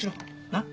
なっ。